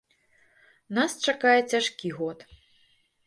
Нас чакае цяжкі год.